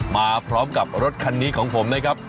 มาพร้อมกับรถคันนี้ของผมนะครับ